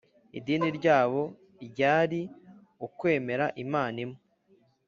Idini ryabo ryari ukwemera Imana imwe